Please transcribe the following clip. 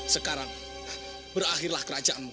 sekarang berakhirlah kerajaanmu